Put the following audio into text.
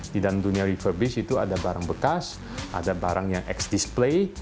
di dalam dunia refurbished itu ada barang bekas ada barang yang x display